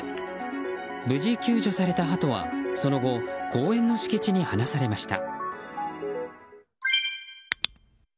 無事、救助されたハトはその後公園の敷地に放されました。